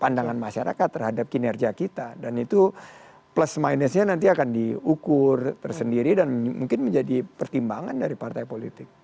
pandangan masyarakat terhadap kinerja kita dan itu plus minusnya nanti akan diukur tersendiri dan mungkin menjadi pertimbangan dari partai politik